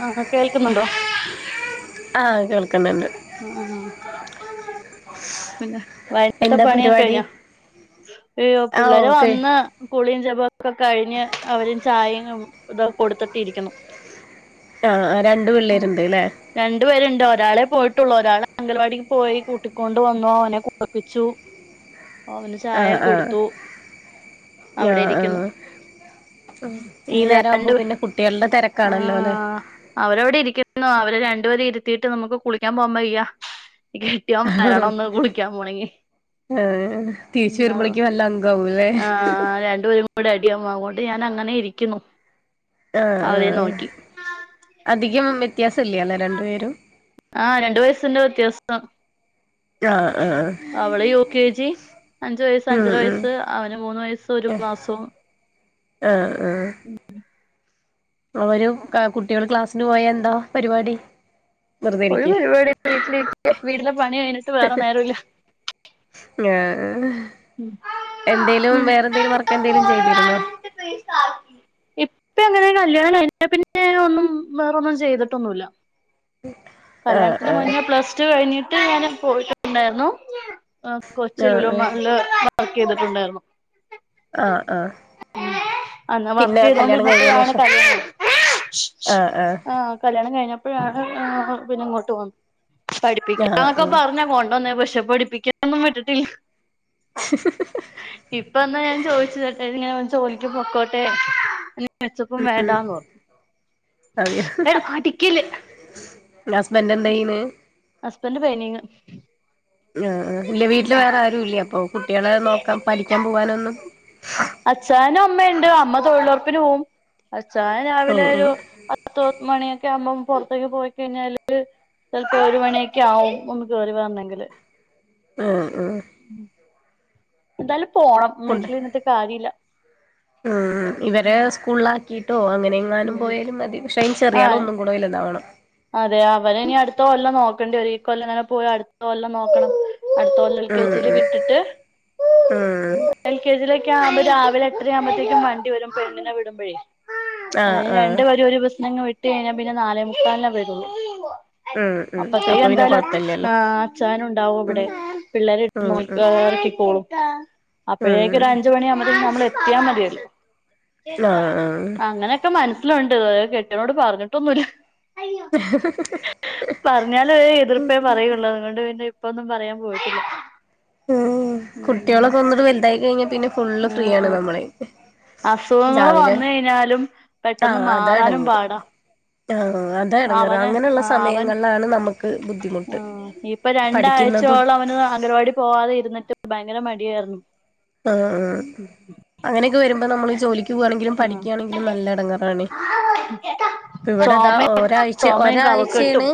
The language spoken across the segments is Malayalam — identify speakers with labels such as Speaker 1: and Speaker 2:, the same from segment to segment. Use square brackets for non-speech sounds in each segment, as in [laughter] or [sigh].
Speaker 1: ആഹ് കേൾക്കുന്നുണ്ടോ
Speaker 2: ആഹ് കേൾക് ന്ന്ണ്ട്
Speaker 1: ആ ഹ് ആഹ് പിന്നെ വൈറ്റത്തെ
Speaker 2: എന്താ
Speaker 1: പണിയൊക്കെ
Speaker 2: പരിപാടി
Speaker 1: കഴിഞ്ഞോ [unintelligible]
Speaker 2: ആ
Speaker 1: പിള്ളേര്
Speaker 2: ഓക്കെ
Speaker 1: വന്ന് കുളിം ജപൊക്കെ കഴിഞ്ഞ് അവര് ചായി ഇതൊക്കെ കൊടുത്തിട്ടിരിക്കുന്നു
Speaker 2: ആ രണ്ടു പിള്ളേരുണ്ട് ലെ
Speaker 1: രണ്ടു പേരുണ്ട് ഒരാളെ പോയിട്ടുള്ളൂ ഒരാളെ അങ്കൽവാടിക്ക് പോയി കൂട്ടിക്കൊണ് വന്നു അവനെ കുളുപ്പിച്ചു അവന് ചായ കൊടുത്തു
Speaker 2: ഞാ
Speaker 1: അവിടെ ഇരിക്കുന്നു
Speaker 2: ആഹ് ഉ ഈ
Speaker 1: ഇനി
Speaker 2: നേരാവുമ്പോ
Speaker 1: രണ്ട്
Speaker 2: പിന്നെ കുട്ടികളുടെ തെരക്കാണല്ലോ ല്ലെ
Speaker 1: ആഹ് അവരവിടെ ഇരിക്കുന്നു അവരെ രണ്ടുപേരെ ഇരുത്തിട്ട് നമുക്ക് കുളിക്കാൻ പോകൻ പയ്യ വരണംന്ന്
Speaker 2: ആ
Speaker 1: കുളിക്കാൻ പോണെങ്കി
Speaker 2: എല്ലങ്ക ഉ ലെ
Speaker 1: ആഹ് ആ രണ്ടുപേരും കൂടെ അടിയാവുംഅങ്ങോണ്ട് ഞാൻ അങ്ങനെ ഇരിക്കുന്നു
Speaker 2: ആ ആ
Speaker 1: അവരെ നോക്കി
Speaker 2: അധികം വ്യത്യാസം ഇല്ലാ നെ രണ്ടു പേരും
Speaker 1: ആ രണ്ടു വയസിന്റെ വ്യത്യാസം
Speaker 2: ഞാ ആഹ് ആഹ്
Speaker 1: അവള് യു കെ ജി അഞ്ചു വയസ്
Speaker 2: ഉം
Speaker 1: അഞ്ചര
Speaker 2: ഉം
Speaker 1: വയസ്സ് അവന് മൂന്ന് വയസ്സ് ഒരു മാസും
Speaker 2: ആഹ് ആഹ്
Speaker 1: ഉം ഉം
Speaker 2: അവരുംകുട്ട്യാള്ക്ലാസ്സിന് പോയ എന്താ പരിപാടി വെറുതെ ഇരിക്കെ
Speaker 1: ഒരുപരിപാടീം ഇല്ലവീട്ടില് ഇരിക്കവീട്ടിലെ പണി കഴിഞ്ഞിട്ട് വേറെ നേരം ഇല്ല
Speaker 2: ഞഎന്തേലും
Speaker 1: ഉം
Speaker 2: വേറെ വർക്കെന്തെലും എന്തേലും ചെയ്തിരുന്നോ
Speaker 1: [unintelligible] ഇപ്പ എങ്ങനെ കല്യാണം കഴിഞ്ഞ പിന്നെ ഒന്നും വേറൊന്നും ചെയ്തിട്ടൊന്നുമില്ല
Speaker 2: ആഹ്
Speaker 1: കല്യാണത്തിന്
Speaker 2: ആഹ്
Speaker 1: മുന്നേ പ്ലസ് ടു കഴിഞ്ഞിട്ട് ഞാൻ പോയിട്ടുണ്ടായിരുന്നു
Speaker 2: ആഹ്
Speaker 1: കൊച്ചി
Speaker 2: ആഹ്
Speaker 1: ലുലുമാളില് വർക്ക് ചെയ്തിട്ടുണ്ടായിരുന്നു
Speaker 2: ആഹ് ആഹ്
Speaker 1: അ എന്നാ വർക്ക്
Speaker 2: പിന്നെ
Speaker 1: ചെയ്തോണ്ട്
Speaker 2: കല്യാണം കഴിഞ്ഞേന്
Speaker 1: ന്നപ്പഴാണ്
Speaker 2: ശേഷം
Speaker 1: കല്യാണം ആഹ് കല്യാണം കഴിഞ്ഞ ഇപ്പൊഴാണ് പിന്നെ ഇങ്ങോട്ട്ന്ന പഠിപ്പിക്ക
Speaker 2: ആഹ്
Speaker 1: എന്നൊക്കെ
Speaker 2: ആഹ്
Speaker 1: പറഞ്ഞ കൊണ്ടുവന്നേ പ ക്ഷെ പഠിപ്പിക്ക ഒന്നും വിട്ടിട്ടില്ല
Speaker 2: ഹ
Speaker 1: ഇപ്പ എന്നാ ഞാൻ ചോദിച്ച ച്ചോട്ടെ ഇങ്ങനെ ജോലിക്ക് ക്കും പൊക്കോട്ടെ മെച്ചപ്പും വേണ്ടാന്ന് റഞ്ഞ് അടിക്കല്
Speaker 2: ഹസ്ബന്റ് എന്തേയ്ണ്
Speaker 1: ഹസ്ബന്റിന് പെയ്ന്റിങ്
Speaker 2: ആഹ് ഇല്ല വീട്ടില് വേറെ ആരു ഇല്ലേ അപ്പൊ കുട്ടികളെ നോക്കാൻ പഠിക്കാൻ പോവാനൊന്നും
Speaker 1: അച്ചായനും നും അമ്മയുണ്ട് അമ്മ തൊഴിലുറപ്പിന് പോവും അച്ചായൻ
Speaker 2: ഉം
Speaker 1: രാവിലെ
Speaker 2: ഉം
Speaker 1: ഒരു പത്ത് മണിയൊക്കെ ആകുമ്പം പുറത്തേക്ക് പോയിക്കഴിഞ്ഞാല് ഒരു മണിയൊക്കെ ആകും ഒന്ന് കേറി വരുവാന്നെങ്കില്
Speaker 2: ആഹ് ആഹ്
Speaker 1: എന്താലും പോണം മീട്ടില്ഇരുന്നിട്ട് കാര്യഇല്ല
Speaker 2: അഅ ഇവരെ സ്കൂളിലാക്കിയിട്ടോ അങ്ങനെ യെങ്ങാനും
Speaker 1: ഉം
Speaker 2: പോയാലും മതിക്ഷെ അതിന്
Speaker 1: ആ
Speaker 2: ചെറിയാനന്നും കൂടെ വല് താവണം
Speaker 1: അതെ അവര് ഇനി അടുത്ത കൊല്ലം നോക്കണ്ടി വരും ഇകൊല്ലം അങ്ങനെ പോയി അടുത്ത കൊല്ലം നോക്കണം അടുത്ത കൊല്ലം എൽ കെ
Speaker 2: ഉം
Speaker 1: ജിൽ
Speaker 2: ഉം
Speaker 1: വിട്ടിട്ട്
Speaker 2: ഉം
Speaker 1: എൽ കെ ജിയിലൊക്കെ ആവു മ്പോൾ രാവിലെ എട്ടര ആവുമ്പോത്തേക്കും വണ്ടി വരും പെണ്ണിനെ വിടുമ്പോഴെ
Speaker 2: ആഹ്
Speaker 1: അങ്ങനെ
Speaker 2: ആഹ്
Speaker 1: രണ്ടു പേരെ ഒരു ബസ്സിനങ് വിട്ടഴിഞ്ഞാൽ പിന്നെ നാലേ മുക്കാലിനെ വരള്ളൂ
Speaker 2: ഉം ഉം അപ്പൊ
Speaker 1: അപ്പത്തേക്ക്
Speaker 2: പിന്നെ
Speaker 1: എന്തായാലും ആ
Speaker 2: കൊഴപ്പില്ലല്ലോ
Speaker 1: അച്ചായൻ ഉണ്ടാവും
Speaker 2: ഉം
Speaker 1: ഇവിടെ പിള്ളേര് ഇട്ട്
Speaker 2: ഉം ഉം
Speaker 1: നോക്കി കോളും അപ്പോഴേക്ക് ഒരു
Speaker 2: ഉം
Speaker 1: അഞ്ചുണി ആവു മ്പതേക്കും നമ്മൾ എത്തിയാ മതിയല്ലോ
Speaker 2: ആഹ് ആഹ്
Speaker 1: അങ്ങനെ ക്കെ മനസ്സിലുണ്ട് കെട്ടിനോട് പറഞ്ഞിട്ടൊന്നുമില്ല പറഞ്ഞാല് ഒര് എതിർപ്പേ പറയുള്ളൂ അതുകൊണ്ട് പിന്നെ ഇപ്പൊന്നും പറയാൻ പോയിട്ടില്ല
Speaker 2: ഉ കുട്ടികളൊക്കെ ഒന്നുകുടി വലുതായി കഴിഞ്ഞാ പിന്നെ ഫുള്ള് ഫ്രീ ആണ്
Speaker 1: ആഹ്
Speaker 2: നമ്മള്
Speaker 1: അസുഖങ്ങള്
Speaker 2: രാവിലെ
Speaker 1: വന്നഴിഞ്ഞാലും പെട്ടെന്ന്
Speaker 2: ആഹ് അതാ
Speaker 1: മാറാനും
Speaker 2: എടങ്ങേറ്
Speaker 1: പാടാ
Speaker 2: ആഹ് അഹ്അതാണ്
Speaker 1: അവന് ആഹ് അവൻ
Speaker 2: നമുക്ക് ബുദ്ധിമുട്ട്
Speaker 1: ആഹ് ഇപ്പൊ
Speaker 2: പഠിക്കുന്നതും
Speaker 1: രണ്ടാഴ്ച്ചോളം അവന് അംഗവാടി പോവാതെ ഇരുന്നിട്ട് ബയങ്കര മടിയായിരുന്നു
Speaker 2: ആഹ് ആഹ് അങ്ങനെയൊക്കെ വരുമ്പം നമ്മള് ഈ ജോലി പോവാണെങ്കിലും
Speaker 1: ആഹ്
Speaker 2: പഠിക്കയാണെങ്കിലും നല്ലടങ്ങേറാ ണേ
Speaker 1: ചോമെ
Speaker 2: ഒരാഴ്ച ഒരാഴ്ച്ചേണ്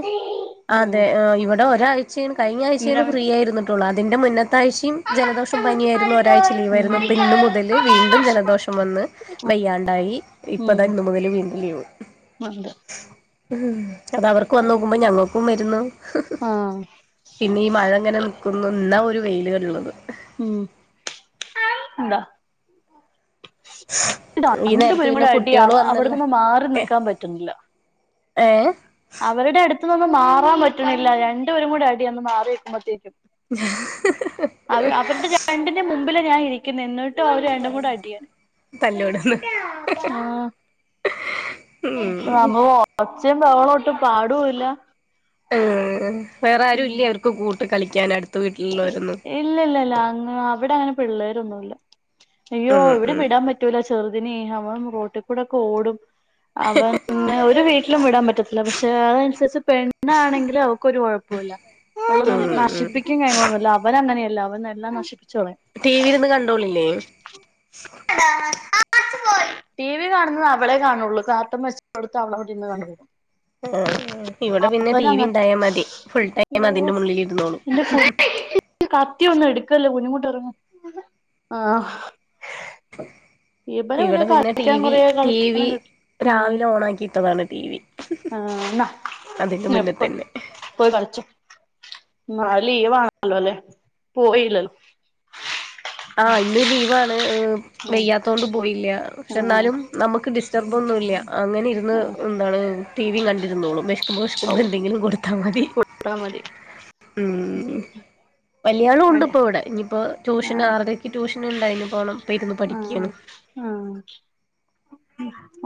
Speaker 1: ഉം
Speaker 2: അതെ ഇവിടെ ഒരാഴ് യും കഴിഞ്ഞ
Speaker 1: ഇങ്ങനെ
Speaker 2: ആഴ്ച്ചേണ് ഫ്രീ ആയിരുന്നിട്ടുള്ള അതിന്റെ മുന്നത്താഴ് ച്ചയും ജലദോഷം പനിയായിരുന്നു ഒരാഴ്ച
Speaker 1: ഉം
Speaker 2: ലീവായിരുന്നു അപ്പൊ ഇന്ന് മുതല് വീണ്ടും ജലദോഷം വന്ന് വയ്യാണ്ടായി ഇപ്പതഇന്ന് മുതൽ വീണ്ടും ലീവ്
Speaker 1: മന്ദ
Speaker 2: ഉം അത അവർക്ക് വന്ന് നോക്കുമ്പൊ ഞങ്ങൾക്കും വരുന്നു
Speaker 1: ആഹ്
Speaker 2: പിന്നെ ഈ മഴ ഇങ്ങനെ നിക്കുന്നു ഇന്നാ ഒരു വെയിലുള്ളത്
Speaker 1: ഉം ഉന്താ ഇ
Speaker 2: ഈ
Speaker 1: രണ്ട്
Speaker 2: നേരത്ത്
Speaker 1: പേരും
Speaker 2: പിന്നെ
Speaker 1: കൂടി അടി
Speaker 2: കുട്ടിയോള് വന്നല്ലേ
Speaker 1: അവിടുന്നമ്മ മാറി നിക്കാൻ പറ്റുന്നില്ല
Speaker 2: ഏഹ്
Speaker 1: അവരുടെ അടുത്തനിന്ന് മാറാൻ പറ്റണില്ല രണ്ടുപരും കൂടി അടി ഒന്ന് മാറി നിക്കുമ്പോത്തേക്കും
Speaker 2: മ് ഹ് ഹ് ഹ്
Speaker 1: അവ അവരുടെ രണ്ടിന്റെ മുമ്പില് ഞാൻ ഇരി ക്കും എന്നിട്ടും അവര് രണ്ടും കൂടെ അടിയാണ്
Speaker 2: തല്ലുകൂടുന്നു
Speaker 1: ആഹ്
Speaker 2: ഉം
Speaker 1: ഒച്ചയും ബഹളോം ഒട്ടു പാടുവില്ല.
Speaker 2: ഏ വേറെ ആരുവില്ലേ അവർക്ക് കൂട്ട് കളിക്കാൻ അടുത്ത വീട്ടിലുള്ളോരൊന്നും
Speaker 1: ഇല്ല ഇല്ല ഇല്ല അങ്ങ് അവിടെ അങ്ങനെ പിള്ളേരൊന്നുല്ല അയ്യോ
Speaker 2: ഉം
Speaker 1: ഇവരെ
Speaker 2: ഉം
Speaker 1: വിടാൻ പ റ്റൂലാ ചെറുതിനെ അവൻ റോട്ടിൽ കൂടൊക്കെ ഓടും അവൻ ഒരു വീട്ടിലും വിടാൻ പറ്റത്തില്ല പക്ഷെ അതനുസരിച്ച് പെണ്ണാണെങ്കില് അവക്ക് ഒരു കൊഴപ്പവുമില്ല ഓരോന്ന്
Speaker 2: ഉം ഉം
Speaker 1: നശിപ്പി [unintelligible] ന്നുല്ല അവനാ അങ്ങനെയല്ല അവൻ എല്ലാം നശിപ്പിച്ച് കളയും
Speaker 2: ടി വി ഇരുന്ന് കണ്ടോളില്ലേ
Speaker 1: ആ ടി വി കാണുന്നത് അവളെ കാണൂള്ളൂ കാർട്ടൂൺ വെച്ച് കൊടുത്ത അവളടെവിടിരുന്ന് കണ്ടോളും
Speaker 2: ആഹ് ഇവിടെ പിന്നെ ടി
Speaker 1: അവന്
Speaker 2: വി
Speaker 1: അങ്ങനത്തെ
Speaker 2: ഇണ്ടായാ മതി ഫുൾ ടൈം അതിന്റെ മുന്നിൽ ഇരുന്നോളും
Speaker 1: [unintelligible] കത്തിയൊന്നും എടുക്കല്ല് പൊന്നൂ ഇങ്ങോട്ടിറങ്ങ് ആ
Speaker 2: ഇവിടെ പിന്നെ ടി
Speaker 1: കളിക്കാൻ
Speaker 2: വി
Speaker 1: കൊറേ
Speaker 2: ടി വി
Speaker 1: കളിക്കാനും കിട്ടും ഉം
Speaker 2: രാവിലെ ഓണാക്കിയിട്ടതാണ് ടി വി
Speaker 1: ആ
Speaker 2: അതിന്റെ
Speaker 1: ന്നാ
Speaker 2: മുന്നിൽ
Speaker 1: പോ
Speaker 2: തന്നെ
Speaker 1: പോയി കളിച്ചോ നളെ ലീവാണല്ലോ അല്ലേ പോയില്ലല്ലോ
Speaker 2: ആഹ് ഇന്ന് ലീവാണ്
Speaker 1: ഉം
Speaker 2: വയ്യാത്തോണ്ട് പോയില്ല്യാ പക്ഷെ എന്നാലും
Speaker 1: ആ
Speaker 2: നമുക്ക് ഡി സ്റ്റർബ് ഒന്നുമില്ല അങ്ങനെ ഇരി ന്ന്
Speaker 1: ആ
Speaker 2: എന്താണ് ടി വിയും കണ്ടിരുന്നോളും വിശക്കുമ്പോ
Speaker 1: ഔ
Speaker 2: വിശക്കുമ്പോ എന്തെങ്കിലും കൊടുത്താ മതി
Speaker 1: ട്ടാ മതി
Speaker 2: ഉം വല്യാളും ഉണ്ട്
Speaker 1: അതെ
Speaker 2: ഇപ്പൊ ഇവിടെ ഇനിയിപ്പോ ട്യൂഷ്
Speaker 1: ആ
Speaker 2: ഇടക്ക് ട്യൂഷനുണ്ട് അയിന് പോണം പഠിക്കാണ്
Speaker 1: ആഹ് ആഹ്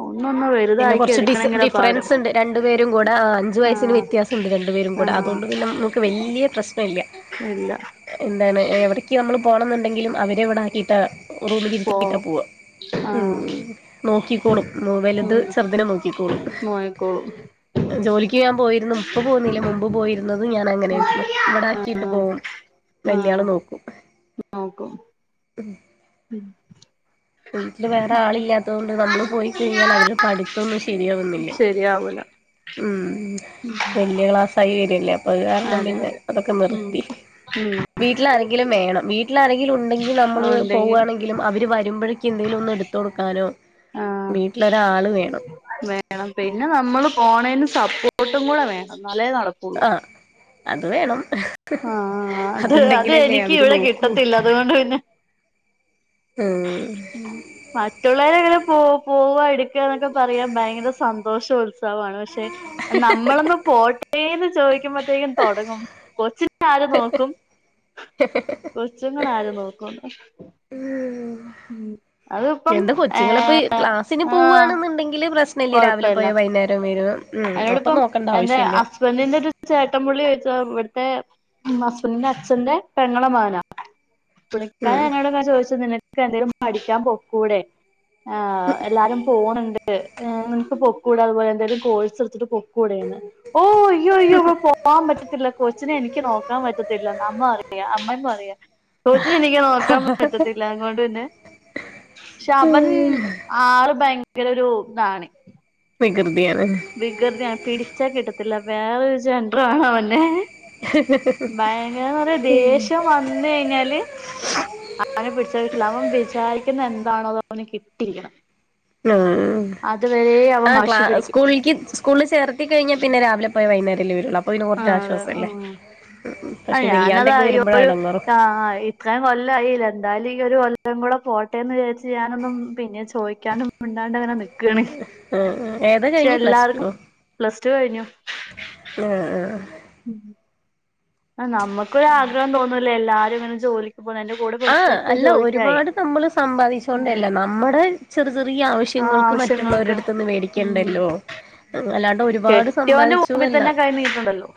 Speaker 1: അന്നൊന്നും വെ
Speaker 2: പിന്നെ കുറച്ച് ഡിസ് ഡിഫറൻസ് ഇണ്ട് രണ്ട് പേരും കൂടെ ആ അഞ്ച്
Speaker 1: ആ
Speaker 2: വയസിന് വ്യത്യാസവുണ്ട് രണ്ട് പേരും
Speaker 1: ആ
Speaker 2: കൂടെ അതുകൊണ്ട് പിന്നെ നമു ക്ക് വല്ല്യ പ്രശ്നമില്ലാ
Speaker 1: ഇല്ല
Speaker 2: എന്താണ് എവിടേ ക്ക് നമ്മൾ പോണോന്നുണ്ടെങ്കിലും അവരെ ഇവിടാക്കിയിട്ടാ
Speaker 1: പോ
Speaker 2: റൂമിലിരുത്തിയിട്ടാ പോവുക
Speaker 1: ആ
Speaker 2: ഉം ഉം നോക്കിക്കോളും വലുത്
Speaker 1: ഉം
Speaker 2: ചെറുതിനെ നോക്കിക്കോളും
Speaker 1: നോയിക്കോളും
Speaker 2: ജോലിക്ക് ഞാൻ പോയിരുന്നു ഇപ്പ പോന്നില്ലേ മുമ്പ് പോയിരുന്നതും ഞാൻ അങ്ങനൊയിരുന്നു ഇവിടാക്കിയിട്ട്
Speaker 1: ആ
Speaker 2: പോവും
Speaker 1: ആ
Speaker 2: വല്ല്യാള് നോക്കും
Speaker 1: നോക്കും ഉം
Speaker 2: വീട്ടില് വേറെ ആളില്ലാത്ത കൊണ്ട് നമ്മള് പോയി കഴിഞ്ഞാൽ അവരുടെ പഠിത്തവൊന്നും ശരിയാവുന്നില്ല
Speaker 1: ശരിയാവൂല
Speaker 2: ഉം വല്യ ക്ലാസ്സായി വരവല്ലേ അപ്പൊ അത് കാരണം
Speaker 1: അതെ
Speaker 2: പിന്നെ
Speaker 1: അതെ
Speaker 2: അതൊക്കെ
Speaker 1: ഉം
Speaker 2: നിർത്തി
Speaker 1: ഉം
Speaker 2: വീട്ടില് ആരെങ്കിലും വേണം വീട്ടില് ആരെങ്കിലും ഉണ്ടെങ്കിൽ നമ്മള്
Speaker 1: അതുണ്ടെങ്കി
Speaker 2: പോവാണെങ്കിലും അവര് വരുമ്പഴത്തേ ക്ക് എന്തേലും ഒന്ന് എടുത്ത് കൊടുക്കാനോ
Speaker 1: ആഹ്
Speaker 2: വീട്ടിലൊരാള് വേണം
Speaker 1: വേണം പിന്നെ നമ്മള് പോണേന് സപ്പോർട്ടും കൂടെ വേണം എന്നാലെ നടക്കൂള്ളൂ
Speaker 2: ആഹ് അത് വേണം
Speaker 1: ആഹ് അത് അത്
Speaker 2: അതുണ്ടെങ്കിലല്ലേ
Speaker 1: എനിക്ക്
Speaker 2: അവര്
Speaker 1: ഇവിടെ
Speaker 2: നോക്കൂ
Speaker 1: കിട്ടത്തില്ല അതുകൊണ്ട് പിന്നെ
Speaker 2: ഉം
Speaker 1: മറ്റുള്ളവരെങ്ങനെ പോ പോവ എടുക്കുക എന്നൊക്കെ പറയാൻ ഭയങ്കര സന്തോഷം ഉത്സവമാണ് പക്ഷെ നമ്മളൊന്ന് പോട്ടേന്ന് ചോദിക്കുമ്പോത്തേക്കും തുടങ്ങും കൊ ച്ചിനെ ആര് നോക്കും കൊച്ചുങ്ങളെ ആര് നോക്കൂന്ന് ഉം
Speaker 2: എന്താ കൊച്ചുങ്ങളിപ്പൊ ക്ലാസ്സിന്
Speaker 1: ആഹ്
Speaker 2: പോവാണെന്നുണ്ടെങ്കില് പ്രശ്നം ഇല്ല രാവിലെ
Speaker 1: കൊഴപ്പല്ല
Speaker 2: പോയ വൈകുന്നേരം വരും ഉം അപ്പം നോക്കണ്ട ആവശ്യവില്ല
Speaker 1: പെണ്ണിന്റെ ഒരു ചേട്ടൻ പുള്ളി വെച്ചാ ഇവിടുത്തേ ഹസ്ബൻഡിന്റെ അച്ഛന്റെ പെങ്ങടെ മകനാ
Speaker 2: ഉം
Speaker 1: പുള്ളിക്കാരൻ എന്നോട് ഇങ്ങനെ ചോദിച്ചു നിനക്ക് ക്ക് എന്തെലും പഠിക്കാൻ പൊക്കൂടേ ആഹ് എല്ലാരും പോവ്ണ് ണ്ട് ഏഹ് നിൻക്ക് പൊയ്ക്കുടെ അത് പോലെന്തേലും കോഴ്സ് സ്സ് എടുത്തിട്ട് പൊയ്ക്കൂടേ. ഓഹ് യോ യോ പൊ പോൻ പറ്റത്തില്ല കൊച്ചിനെ എനിക്ക് നോക്കാൻ പറ്റത്തില്ലന്ന് അമ്മ പറിയ അമ്മന്ന് പറയാ കൊച്ചിനെ എനിക്ക് നോക്കാൻ പറ്റത്തില്ല. അതോണ്ടന്നെ ശവൻ ആള് ഭയങ്കര ഒരു ഇതാണ്.
Speaker 2: വികൃതിയാണ്.
Speaker 1: വികൃതിയാണ് പിടിച്ചാ കിട്ടത്തില്ല വേറൊരു ജൻഡ്ര ആണോ അവന്റെ ഭയങ്കരുദേഷ്യം വന്നു കഴിഞ്ഞാല് അവനെ പിടിച്ച കിട്ടില്ല അവൻ വിചാരിക്കുന്ന എന്താണോ അത് അവന് കിട്ടിയിരിക്കണം.
Speaker 2: ഉം
Speaker 1: അതുവരെ അവൻ
Speaker 2: ആഹ് ക്ലാ
Speaker 1: വാശി പിടിക്കും
Speaker 2: സ്കൂളിക്ക് സ്കൂളിൽ ചേർത്തികഴിഞ്ഞാൽ പിന്നെ രാവിലെ പോയ വൈന്നേരല്ലേ വരൊള്ളൂ അപ്
Speaker 1: ആഹ് അതെ ആഹ് ആ
Speaker 2: പക്ഷെ
Speaker 1: ഞാനതാ
Speaker 2: വെയ്യാണ്ടൊക്കെ വരുമ്പോഴാ
Speaker 1: അയേരു
Speaker 2: എടങ്ങേറ്
Speaker 1: ആഹ് യി അഞ്ചാറ്കൊല്ലായിലെ എന്തായാലും ഈ ഒരു കൊല്ലം കൂടെ പോട്ടേന്ന് വിചാരിച്ച ഞാനൊന്നും പിന്നെ ചോയിക്കാനും മിണ്ടാണ്ടങ്ങനെ നിക്കാണ്.
Speaker 2: ആഹ് ഏതാ
Speaker 1: ശേ
Speaker 2: കഴിഞ്ഞ് പ്ലസ്
Speaker 1: എല്ലാർക്കും
Speaker 2: ടുവോ
Speaker 1: പ്ലസ് ടു കഴിഞ്ഞു.
Speaker 2: ആഹ് ആഹ്
Speaker 1: ഉം ആ നമ്മക്കൊരു ആഗ്രഹം തോന്നൂല്ലേ എല്ലാരും ഇങ്ങനെ ജോലിക്ക് പോന്നന്റെ കൂടെ
Speaker 2: ആഹ്
Speaker 1: പഠിച്ചതൊക്കെ
Speaker 2: അല്ല
Speaker 1: ജോലിക്കായി
Speaker 2: ഒരുപാട് നമ്മള് സമ്പാദിച്ചുകൊണ്ടല്ല നമ്മടെ ചെറ് ചെറിയ ആവി
Speaker 1: ആ
Speaker 2: ശ്യങ്ങൾക്ക്
Speaker 1: ആവശ്യങ്ങൾക്ക്
Speaker 2: മറ്റുള്ളോരെട് ത് ന്ന്
Speaker 1: ഉം
Speaker 2: മേടിക്കണ്ടല്ലോ. അല്ലാണ്ട് ഓര് പാട് സമ്പാദിച്ച്
Speaker 1: മുമ്പി തന്നെ കൈ നീട്ടണ്ടല്ലോ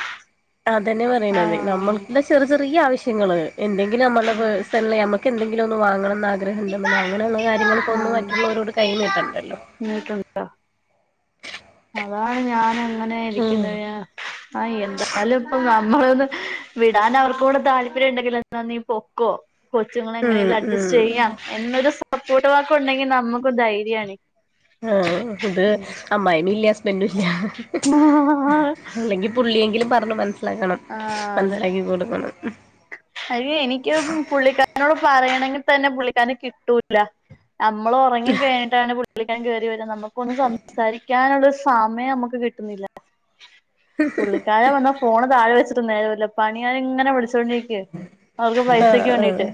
Speaker 2: അതന്നെ
Speaker 1: ആ
Speaker 2: പറിണത് നമ്മൾടെ ചെറ് ചെറിയ ആവിശ്യങ്ങള് എന്തെങ്കിലും നമ്മള്
Speaker 1: ഉം
Speaker 2: പേഴ്സണലി നമ്മക്കെന്തെങ്കിലും ഒന്ന് വാങ്ങണം ആഗ്രഹ ഗ്രഹം
Speaker 1: ഉം
Speaker 2: ന്ന്ണ്ടങ്കി അങ്ങനെയുള്ള കാര്യങ്ങൾക്ക് ഒന്നും മറ്റുള്ളവരോട് കൈനീട്ടണ്ടല്ലോ
Speaker 1: നീട്ടണ്ട അതാണ് ഞാൻ അങ്ങനെ
Speaker 2: ഉം
Speaker 1: ഇരിക്കുന്നത് ആഹ് എന്താ എന്നാലും ഇപ്പ നമ്മളൊന്ന് വിടാൻ അവർക്ക് കൂടെ താല്പര്യം ഇണ്ടെങ്കില എന്നാ നീ പൊക്കോ. കൊച്ചുങ്ങളെ എങ്ങനെലും അഡ്ജസ്റ്റ്
Speaker 2: ഉം
Speaker 1: ചെയ്യാം എന്നൊരു സപ്പോർട്ട് വാക്ക് ഉണ്ടെങ്കിൽ നമുക്ക് ധൈര്യം ആണെ
Speaker 2: ആഹ് ഇത് അമ്മായിമ്മീം ഇല്ല ഹസ്ബൻഡും ഇല്ല. അല്ലെങ്കി പുള്ളിയെങ്കിലും പറഞ്ഞു മനസ്സിലാക്കണം.
Speaker 1: ആ
Speaker 2: മനസ്സിലാക്കി കൊടുക്കണം.
Speaker 1: അയിന് എനിക്ക് പുള്ളിക്കാരനോട് പറയണങ്കിൽ തന്നെ പുള്ളിക്കാരനെ കിട്ടൂല. നമ്മള് ഒറങ്ങി കഴിഞ് ട്ടാണ് പുള്ളിക്കാരൻ കേറി വരുന്നത് നമുക്കൊന്നും സംസാരിക്കാനുള്ള സമയം നമുക്ക് കിട്ടുന്നില്ല. പുള്ളിക്കാരൻ വന്ന ഫോണ് താഴെ വെച്ചിട്ടു നേരല്ല പണിയാൻ ഇങ്ങനെ വിളിച്ചോണ്ടി അവർക്ക്
Speaker 2: ആഹ്
Speaker 1: പൈസക്ക് വേണ്ടിട്ട്.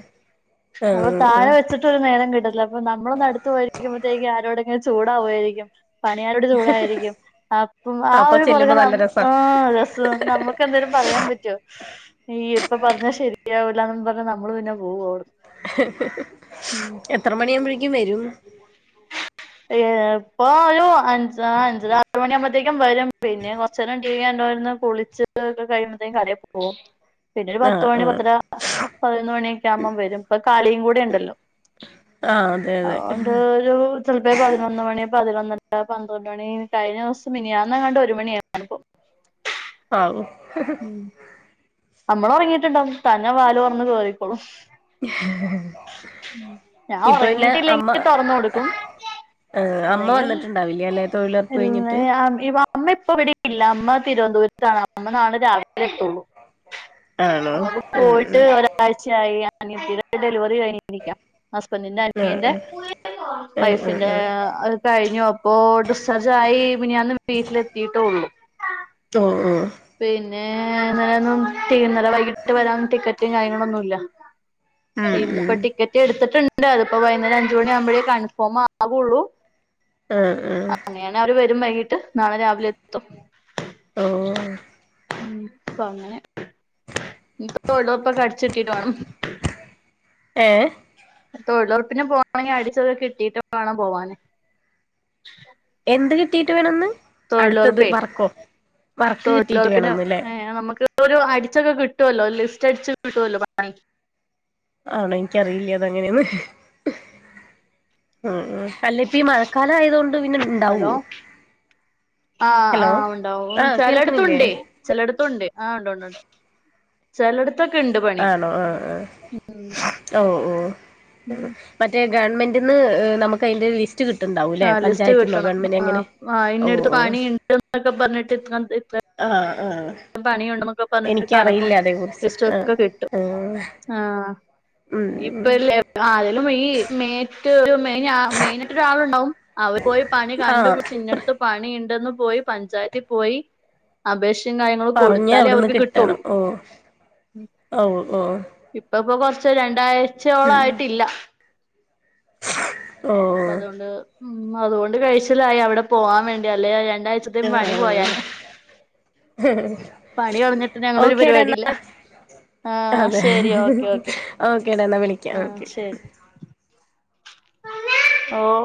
Speaker 2: ആഹ്
Speaker 1: അപ്പൊ
Speaker 2: ആഹ്
Speaker 1: താഴെ വെച് ചിട്ട് ഒരു നേരം കിട്ടത്തില്ല അപ്പ നമ്മൾ ഒന്ന് അടുത്ത് പോയിരിക്കുമ്പഴത്തേക്കും ആരോടെങ്കിലും ചൂടാവായിരിക്കും. പണിയാരോട് ചൂടായിരിക്കും. അപ്പം ആ
Speaker 2: അപ്പൊ
Speaker 1: ഒരു
Speaker 2: ചെല്ലുമ്പോ
Speaker 1: പുറകെ നം
Speaker 2: നല്ല രസാ
Speaker 1: ആഹ് രസ നമുക് ൻക്കെന്തേലും പറയാൻ പറ്റോ. ഈ എപ്പൊ പറഞ്ഞ ശെരിയാവില്ലന്ന് പറഞ്ഞ നമ്മള് പിന്നെ പോവോ വിടന്
Speaker 2: എത്ര മണിയവുമ്പോഴേക്കും വരും?
Speaker 1: ഇപ്പൊ ഒരു അഞ്ച് അഞ്ച് ആറു മണിയ ആകുമ്പോത്തേക്കും വരും പിന്നെ കൊർച്ചേരം ടിവി കണ്ടോണ്ടിരിന്ന് കുളിച്ച് കഴിയുമ്പത്തേക്കും അദ്യം പോകും പിന്നെ ഒരു
Speaker 2: ആഹ്
Speaker 1: പത്ത് മണി
Speaker 2: ആഹ്
Speaker 1: പത്തര പതിനൊന്ന് മണിയൊക്കെ ആകുമ്പം വരും ഇപ്പ കളിയും കൂടെ ഉണ്ടല്ലോ.
Speaker 2: ആഹ് അതെ അതെ.
Speaker 1: [unintelligible] ചിലപ്പേ പതിനൊന്ന് മണി പതിനൊന്നര പന്ത്രണ്ട്മണി കഴിഞ്ഞ ദിവസം മിനിയാന്ന് എങ്ങാണ്ട് ഒരു മണി
Speaker 2: ഹാവു
Speaker 1: ഉം നമ്മള് ഉറങ്ങിട്ടുണ്ടാവും തന്നെ വാല് തുറന്ന് കേറിക്കോളും
Speaker 2: [unintelligible]
Speaker 1: ഞാൻ
Speaker 2: ഇപ്പൊ പിന്നെ അമ്മ
Speaker 1: ഒറങ്ങിട്ടില്ലെങ്കി തൊറന്ന് കൊട്ക്കും
Speaker 2: ആഹ് അമ്മ
Speaker 1: അല്ലെങ്കിൽ
Speaker 2: വന്നിട്ടുണ്ടാവില്ലേ അല്ലെ തൊഴിലുറപ്പ്
Speaker 1: പിന്നെ
Speaker 2: കഴിഞ്ഞിട്ട്
Speaker 1: [unintelligible] അമ്മപ്പിവിടില്ല അമ്മ തിരുവന്തപുരത്താണ് അമ്മ നാളെ രാവിലെ വരുത്തുള്ളൂ
Speaker 2: ആണോ
Speaker 1: അമ്മ
Speaker 2: ഉം ഉം
Speaker 1: പോയിട്ട് ഒരാഴ്ചയായി അനിയത്തിടെ ഡെലിവറി കഴിഞ് ല്ല ഹസ്ബൻ്റിന്റെ അനിയന്റെ
Speaker 2: ആഹ് ആഹ് ആഹ് ആഹ്
Speaker 1: വൈഫിന്റെ
Speaker 2: ആഹ്
Speaker 1: കഴിഞ്ഞു അപ്പോ ഡിസ്ചാർജ് ആയി മിനിഞ്ഞാന്ന് വീട്ടിലെത്തിട്ടെള്ളു
Speaker 2: ആഹ് ആഹ്
Speaker 1: പിന്നേ ഇന്നലൊന്നും [unintelligible] വൈകിട്ട് വരാൻ ടിക്കറ്റും കാര്യങ്ങളൊന്നുംല്ല
Speaker 2: ഉം ഉം
Speaker 1: ഇന്ന്പ്പോ ടിക്കറ്റെട്ത്തിട്ട്ണ്ട് അത്പ്പോ വൈന്നേരഞ്ച് മണി ആവുമ്പഴേ കൺഫോമാവുള്ളു
Speaker 2: ആഹ് ആഹ്
Speaker 1: നാണേ അവര് വരും വൈകിട്ട് നാളെ രാവിലെത്തും
Speaker 2: ആഹ്
Speaker 1: പ്പ അങ്ങനെ [unintelligible] കാണും
Speaker 2: ഏഹ്
Speaker 1: തൊഴിലുറപ്പിന് പോണെങ്കി അടിച്ചത് കിട്ടിട്ട് വേണം പോവാന്
Speaker 2: എന്ത് കിട്ടിട്ട് വേണന്ന് അട്ത്തത്
Speaker 1: തൊഴിലുറപ്പേ
Speaker 2: വർക്കോ വർക്ക് കിട്ടിട്ട് വേണന്ന്ല്ലേ
Speaker 1: ആഹ് നമുക്ക്‌ ഒരു അടിച്ചൊക്കെ കിട്ടുല്ലോ ലിസ്റ്റടിച്ച് കിട്ടുല്ലോ
Speaker 2: ആണൊ എനിക്കറിയില്ല അതെങ്ങനെന്ന് ആഹ് അല്ലിപ്പീ മഴക്കാലായതൊണ്ട് പിന്നെ ഇണ്ടാവോ
Speaker 1: ഹലോ ആഹ്
Speaker 2: ഹലോ
Speaker 1: ആഹ് ഉണ്ടാവും
Speaker 2: ആഹ് കേൾക്കണില്ലേ
Speaker 1: ചെലട്ത്തുണ്ടേ ചെലട്ത്തുണ്ട് ആ ഉണ്ട് ഉണ്ട് ണ്ട് ചെലട് തൊകെണ്ട് പ
Speaker 2: ആണോ ആഹ് ആഹ് ആ ഓഹ് ഓഹ് മറ്റേ ഗവൺമെന്റ്ന്ന് നമ അയ്ന്റെ ലിസ്റ്റ് കിട്ടുണ്ടാവുലെ
Speaker 1: ആഹ് ലിസ്റ്റ്
Speaker 2: പഞ്ചായത്ത്ന്നോ
Speaker 1: കിട്ടണം
Speaker 2: ഗവൺമെന്റ് എങ്ങനെ ഓഹ് ഓഹ്
Speaker 1: തക്ക പർഞ്ഞിട്ട് [unintelligible]
Speaker 2: ആഹ് ആഹ്
Speaker 1: പണിയുണ്ട്ന്നൊക്കെ പർഞ്ഞിട്ട് കണക്കും
Speaker 2: എനിക്കറിയില്ല അതേ കുറിച്ച് ആഹ്
Speaker 1: ലിസ്റ്റുക്കെ കിട്ടും
Speaker 2: ആഹ്
Speaker 1: ആഹ്
Speaker 2: ഉം
Speaker 1: ഇപ്പല്ലെ അരേലും ഈ മേറ്റ് മെയ്നാ മെയിനാട്ടോരാള്ണ്ടാവും അവര് പോയി പണി കണ്ടു
Speaker 2: ആഹ്
Speaker 1: പിടിച്ച് ഇന്നട്ത് പണി ഇണ്ടെന്ന് പോയി പഞ്ചായത്തി പോയി അപേഷ് കാര്യങ്ങളും
Speaker 2: പറഞ്ഞ് അവിടുന്ന്
Speaker 1: കൊടുത്താലേവർക്ക് കിട്ടുള്ളൂ
Speaker 2: കിട്ടണം ഓ ഓ ഓ
Speaker 1: ഇപ്പ പ്പൊ കൊർചെ രണ്ടാഴ്ചയോളായിട്ടില്ല
Speaker 2: ഓ
Speaker 1: അപ്പ അതുകൊണ്ട് മ് അതുകൊണ്ട് കഴിച്ചില്ലായി അവിടെ പോവാൻ വേണ്ടി അല്ലെ രണ്ടാഴ്ചത്തേ പണി
Speaker 2: ആഹ്
Speaker 1: പോയേനെ
Speaker 2: [unintelligible]
Speaker 1: പണികളഞ്ഞിട്ട് ഞങ്ങളൊരു
Speaker 2: ഓക്കേടാ എന്നാ
Speaker 1: പരിപാടില്ല ആഹ്
Speaker 2: അതെ
Speaker 1: ശരി ഓക്കെ ഓക്കെ
Speaker 2: ഓക്കേടാ എന്നാ വിളിക്കാം
Speaker 1: ആഹ്
Speaker 2: ഓക്കെ
Speaker 1: ശെരി ഓഹ്